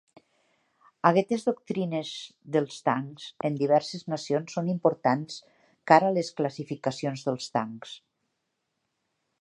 Aquestes doctrines dels tancs en diverses nacions són importants cara les classificacions dels tancs.